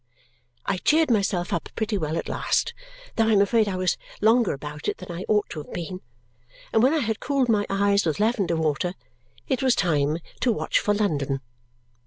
I cheered myself up pretty well at last, though I am afraid I was longer about it than I ought to have been; and when I had cooled my eyes with lavender water, it was time to watch for London.